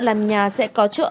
làm nhà sẽ có chỗ